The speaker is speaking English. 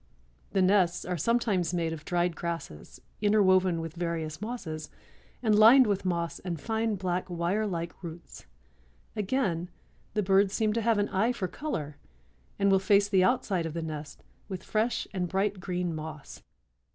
The nests are sometimes made of dried grasses interwoven with various mosses and lined with moss and fine black wire like roots. Again, the birds seem to have an eye for color and will face the outside of the nest with fresh and bright green moss.